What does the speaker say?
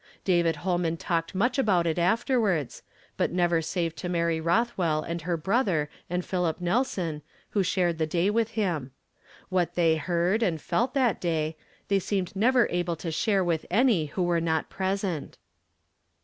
David Holnian talked much about it afterwards but never save to Mary Rothwell and her brother and Philip Nelson, who shared the day with him What they heard and felt that day, they seemed never able to share with any who were not present.